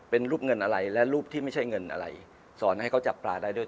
เป็นรูปเงินอะไรและรูปที่ไม่ใช่เงินอะไรสอนให้เขาจับปลาได้ด้วย